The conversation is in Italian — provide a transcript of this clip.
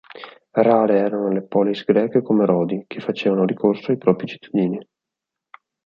Rare erano le poleis greche come Rodi, che facevano ricorso ai propri cittadini.